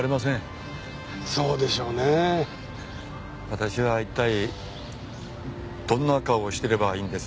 私は一体どんな顔をしてればいいんです？